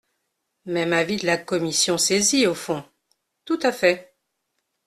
Même avis de la commission saisie au fond ? Tout à fait.